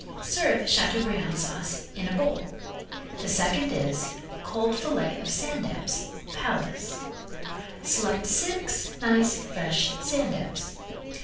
Serve chateaubriand sauce in a bowl. The second is: Cold Fillet of Sand Dabs, Palace Select six nice fresh sand dabs.